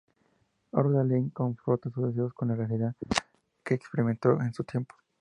Hölderlin confronta sus deseos con la realidad que experimentó en su tiempo.